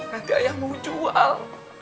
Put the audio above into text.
nanti ayah mau jual